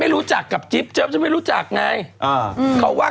แล้วจั๊กก่อน